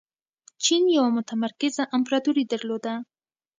چین یوه متمرکزه امپراتوري درلوده.